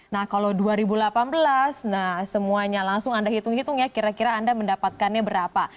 nah kalau dua ribu delapan belas nah semuanya langsung anda hitung hitung ya kira kira anda mendapatkannya berapa